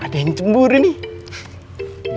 ada yang cemburu nih